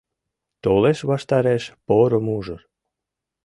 Толеш ваштареш поро мужыр